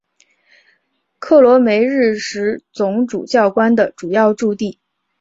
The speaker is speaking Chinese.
克罗梅日什总主教宫的主要驻地。